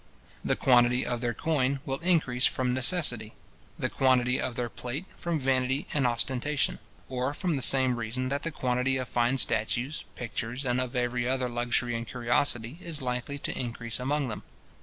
The quantity of their coin will increase from necessity; the quantity of their plate from vanity and ostentation, or from the same reason that the quantity of fine statues, pictures, and of every other luxury and curiosity, is likely to increase among them.